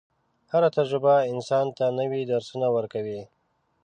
هره تجربه انسان ته نوي درسونه ورکوي.